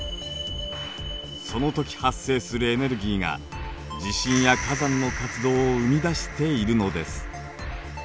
そのとき発生するエネルギーが地震や火山の活動を生み出しているのです。